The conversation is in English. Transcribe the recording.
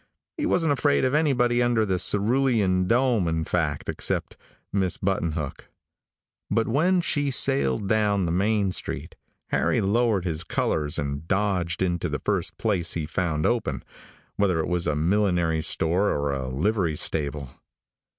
He wasn't afraid of anybody under the cerulean dome, in fact, except Miss Buttonhook; but when she sailed down the main street, Harry lowered his colors and dodged into the first place he found open, whether it was a millinery store or a livery stable.